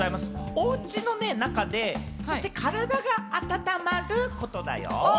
おうちの中で体が温まることだよ。